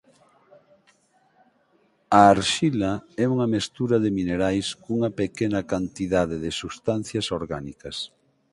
A arxila é unha mestura de minerais cunha pequena cantidade de substancias orgánicas.